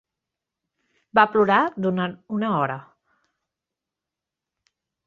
Va plorar durant una hora.